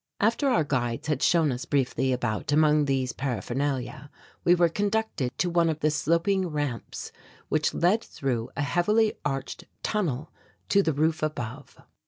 After our guides had shown us briefly about among these paraphernalia, we were conducted to one of the sloping ramps which led through a heavily arched tunnel to the roof above.